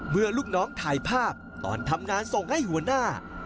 ลูกน้องถ่ายภาพตอนทำงานส่งให้หัวหน้า